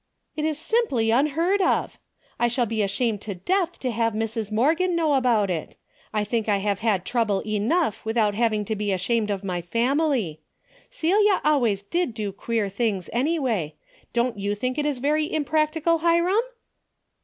It is simply unheard of. I shall be ashamed to death to have Mrs. Morgan know about it. I think I have had trouble enough without having to be ashamed 120 A DAILY RATE. of my family. Celia always did do queer things, anyway. Don't you think it is very impractical, Hiram